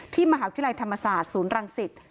มหาวิทยาลัยธรรมศาสตร์ศูนย์รังสิต